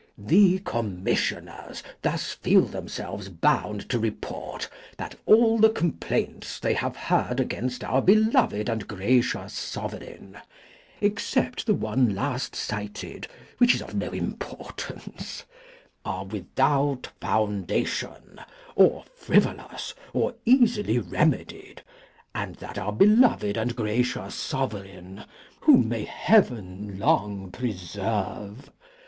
The Commissioners thus feel themselves bound to report that all the complaints they have heard against our beloved and gracious Sovereign (except the one last cited, which is of no importance) are without foundation, or frivolous, or easily remedied, and that our beloved and gracious Sovereign (whom may Heaven long preserve!)